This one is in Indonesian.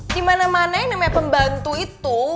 di mana mana yang namanya pembantu itu